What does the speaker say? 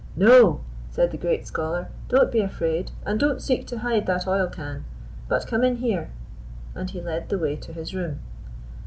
"No," said the great scholar, "don't be afraid, and don't seek to hide that oil can; but come in here." And he led the way to his room.